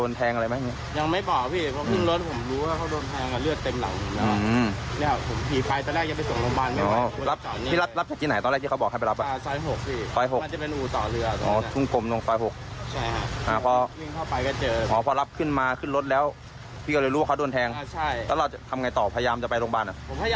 ในจ่านนี้ให้พี่เขาช่วย